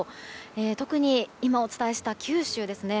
特に今お伝えした九州ですね。